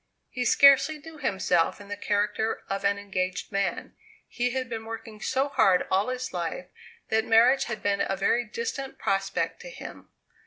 He scarcely knew himself in the character of an engaged man. He had been working so hard all his life that marriage had been a very distant prospect to him.